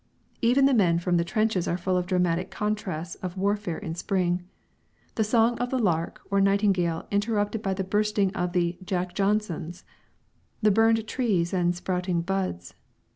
Even the men from the trenches are full of the dramatic contrasts of warfare in spring the song of the lark or nightingale interrupted by the bursting of the "Jack Johnsons"; the burned trees and sprouting buds.